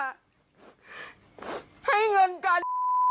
ให้เงินกัน